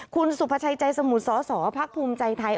คุณสุพชัยใจสมุทรสสพใจไทย